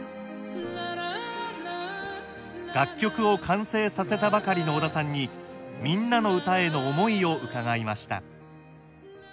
楽曲を完成させたばかりの小田さんに「みんなのうた」への思いを伺いました。